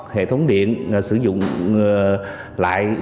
hệ thống điện sử dụng lại